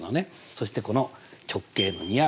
そしてこの直径の２Ｒ。